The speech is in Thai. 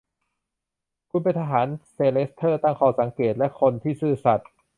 คุณเป็นทหาร เซอร์เลสเตอร์ตั้งข้อสังเกต และคนที่ซื่อสัตย์